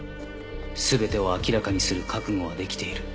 「すべてを明らかにする覚悟は出来ている」